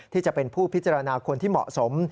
ที่จะเป็นผู้พิจารณาคนที่เหมาะสม